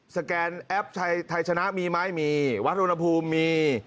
แกนแอปไทยชนะมีไหมมีวัดอุณหภูมิมี